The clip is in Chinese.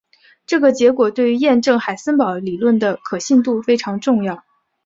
这个结果对于验证海森堡理论的可信度非常重要。